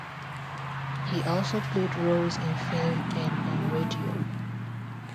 He also played roles in film and on radio.